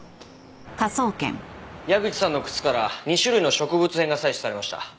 矢口さんの靴から２種類の植物片が採取されました。